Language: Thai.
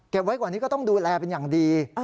ไว้กว่านี้ก็ต้องดูแลเป็นอย่างดี